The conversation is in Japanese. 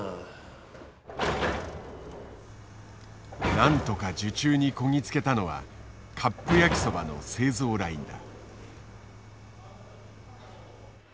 なんとか受注にこぎ着けたのはカップ焼きそばの製造ラインだ。